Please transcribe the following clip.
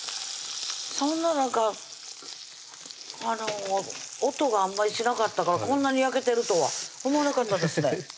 そんななんかあの音があんまりしなかったからこんなに焼けてるとは思わなかったですね